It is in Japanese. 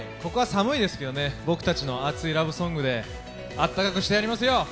ここは寒いですけれども、僕たちの熱いラブソングであったかくしてやりますよ。